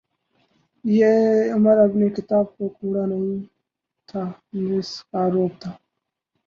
یہ عمرؓ ابن خطاب کا کوڑا نہیں تھا جس کا رعب تھا۔